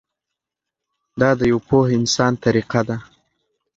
دا د یوه پوه انسان طریقه ده.